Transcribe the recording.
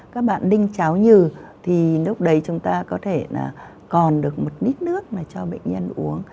các bạn đinh cháo nhừ thì lúc đấy chúng ta có thể là còn được một lít nước mà cho bệnh nhân uống